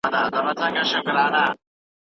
موږ باید د ښې راتلونکي لپاره کار وکړو.